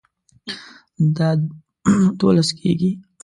دا دوولس کیږي